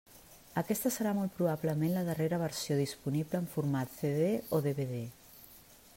Aquesta serà molt probablement la darrera versió disponible en format CD o DVD.